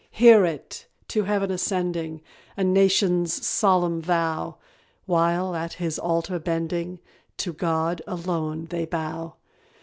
Hear it! to Heaven ascending, A nation's solemn vow; While, at His altar bending, To God alone they bow.